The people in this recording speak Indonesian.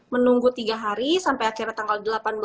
menunggu tiga hari sampai akhirnya tanggal delapan belas